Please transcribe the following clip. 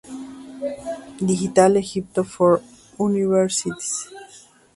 Digital Egypt for Universities